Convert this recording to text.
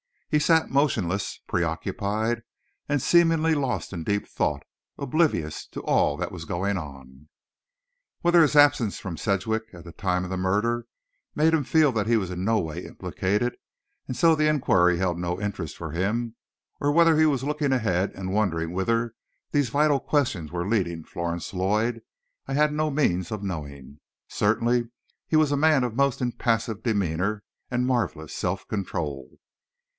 He sat motionless, preoccupied, and seemingly lost in deep thought, oblivious to all that was going on. Whether his absence from Sedgwick at the time of the murder made him feel that he was in no way implicated, and so the inquiry held no interest for him; or whether he was looking ahead and wondering whither these vital questions were leading Florence Lloyd, I had no means of knowing. Certainly, he was a man of most impassive demeanor and marvellous self control.